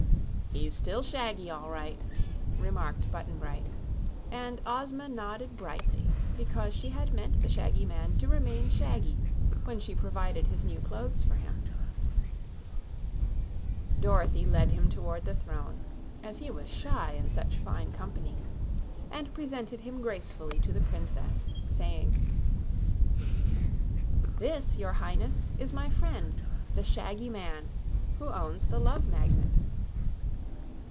"He's still shaggy, all right," remarked Button Bright; and Ozma nodded brightly because she had meant the shaggy man to remain shaggy when she provided his new clothes for him. Dorothy led him toward the throne, as he was shy in such fine company, and presented him gracefully to the Princess, saying: "This, your Highness, is my friend, the shaggy man, who owns the Love Magnet."